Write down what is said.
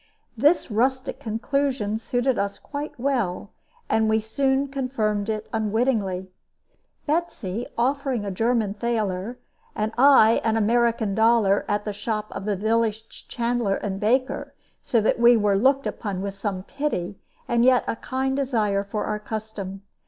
This rustic conclusion suited us quite well, and we soon confirmed it unwittingly, Betsy offering a German thaler and I an American dollar at the shop of the village chandler and baker, so that we were looked upon with some pity, and yet a kind desire for our custom.